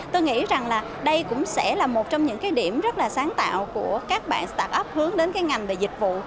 tôi nghĩ rằng đây cũng sẽ là một trong những điểm rất sáng tạo của các bạn startup hướng đến ngành về dịch vụ